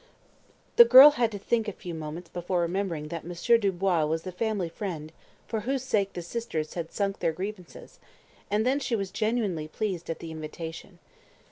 The girl had to think a few moments before remembering that Monsieur Dubois was the "family friend" for whose sake the sisters had sunk their grievances, and then she was genuinely pleased at the invitation.